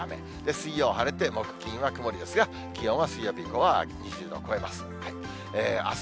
水曜晴れて木、金は曇りですが、気温は水曜日以降は２０度を超えます。